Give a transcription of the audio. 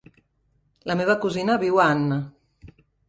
La meva cosina viu a Anna.